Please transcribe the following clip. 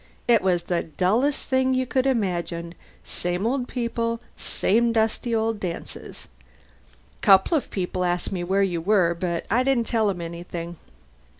"It was the dullest thing you could imagine. Same old people, same dusty old dances. Couple of people asked me where you were, but I didn't tell them anything."